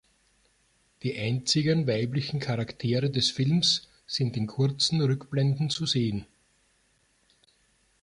Die einzigen weiblichen Charaktere des Films sind in kurzen Rückblenden zu sehen.